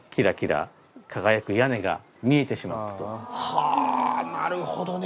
はぁなるほどね。